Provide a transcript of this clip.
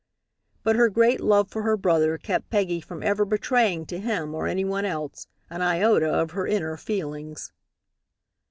But her great love for her brother kept Peggy from ever betraying to him or any one else an iota of her inner feelings.